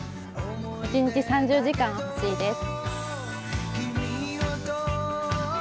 一日３０時間欲しいです。